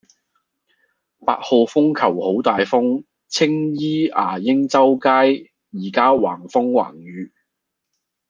八號風球好大風，青衣牙鷹洲街依家橫風橫雨